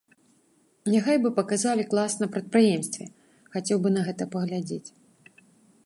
Няхай бы паказалі клас на прадпрыемстве, хацеў бы на гэта паглядзець.